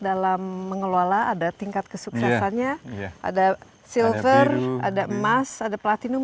dalam mengelola ada tingkat kesuksesannya ada silver ada emas ada platinum